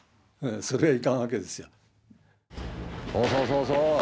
そうそうそうそう。